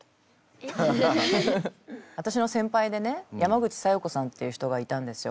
私の先輩でね山口小夜子さんっていう人がいたんですよ。